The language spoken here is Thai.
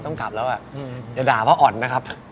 ต้องกลับแล้วอย่าด่าพ่ออ่อนนะครับ